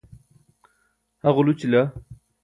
ha ġulućila